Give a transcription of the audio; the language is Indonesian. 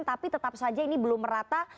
tapi tetap saja ini belum merata